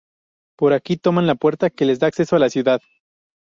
Por aquí toman la puerta que les da acceso a la ciudad.